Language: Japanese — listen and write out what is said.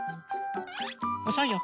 おそいよ。